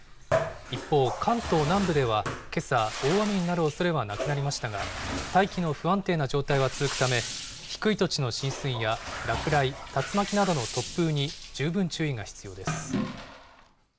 一方、関東南部ではけさ、大雨になるおそれはなくなりましたが、大気の不安定な状態は続くため、低い土地の浸水や落雷、竜巻などの突風に十分注意が必要です。